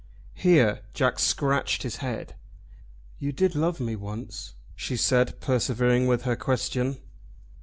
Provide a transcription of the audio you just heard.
Here Jack scratched his head. "You did love me once?" she said, persevering with her question.